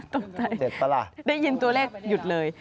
ตกใจได้ยินตัวเลขหยุดเลย